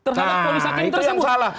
nah itu yang salah